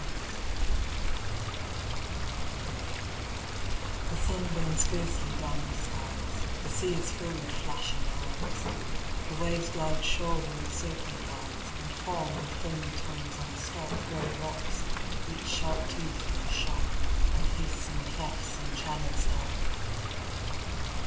A PICTURE THE sun burns fiercely down the skies ; The sea is full of flashing eyes ; The waves glide shoreward serpentwise And fawn with foamy tongues on stark Gray rocks, each sharp toothed as a shark, And hiss in clefts and channels dark.